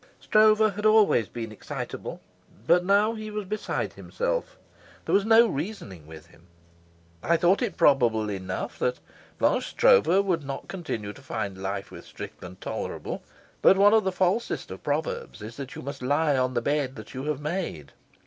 Stroeve had always been excitable, but now he was beside himself; there was no reasoning with him. I thought it probable enough that Blanche Stroeve would not continue to find life with Strickland tolerable, but one of the falsest of proverbs is that you must lie on the bed that you have made.